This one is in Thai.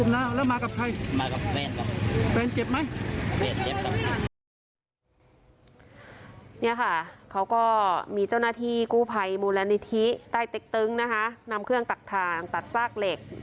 นี่ค่ะเขาก็มีเจ้าหน้าที่กู้ภัยมูลนิธิใต้เต็กตึงนะคะนำเครื่องตัดทางตัดซากเหล็ก